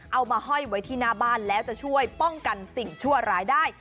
ห้อยไว้ที่หน้าบ้านแล้วจะช่วยป้องกันสิ่งชั่วร้ายได้